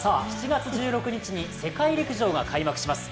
７月１６日に世界陸上が開幕します。